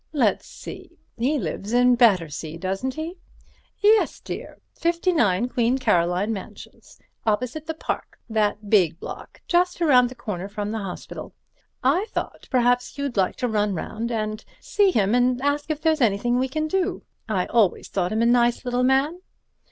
Let's see, he lives in Battersea, doesn't he?" "Yes, dear; 59 Queen Caroline Mansions; opposite the Park. That big block just around the corner from the Hospital. I thought perhaps you'd like to run round and see him and ask if there's anything we can do. I always thought him a nice little man."